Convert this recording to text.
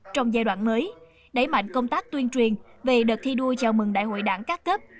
trong giai đoạn mới đẩy mạnh công tác tuyên truyền về đợt thi đua chào mừng đại hội đảng các cấp